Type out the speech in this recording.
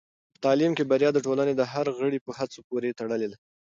په تعلیم کې بریا د ټولنې د هر غړي په هڅو پورې تړلې ده.